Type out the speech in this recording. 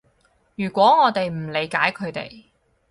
如果我哋唔理解佢哋